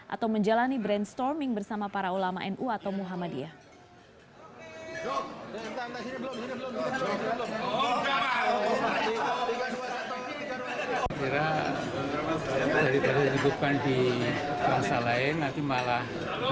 atau menjalani brainstorming bersama para ulama nu atau muhammadiyah